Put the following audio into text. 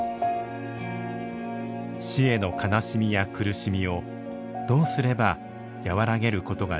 死への悲しみや苦しみをどうすれば和らげることができるのか。